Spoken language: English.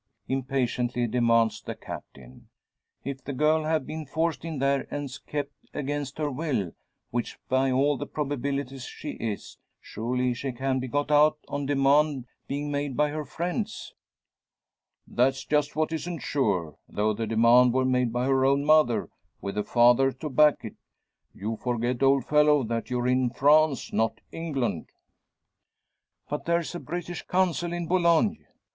impatiently demands the Captain. "If the girl have been forced in there, and's kept against her will which by all the probabilities she is surely she can be got out, on demand being made by her friends?" "That's just what isn't sure though the demand were made by her own mother, with the father to back it. You forget, old fellow, that you're in France, not England." "But there's a British Consul in Boulogne."